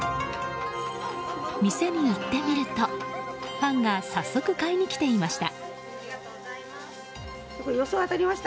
店に行ってみるとファンが早速買いに来ていました。